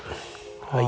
はい。